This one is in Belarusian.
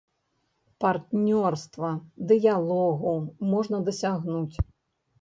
Партнёрства, дыялогу можна дасягнуць.